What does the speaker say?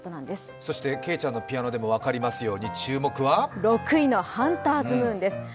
そしてけいちゃんのピアノでも分かりますように、注目は６位のハンターズムーンです。